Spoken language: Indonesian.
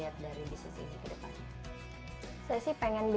dan juga bisa jadi tempat yang lebih menarik untuk pemerintah indonesia